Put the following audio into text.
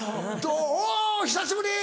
「おぉ久しぶり！」